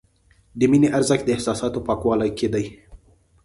د مینې ارزښت د احساساتو پاکوالي کې دی.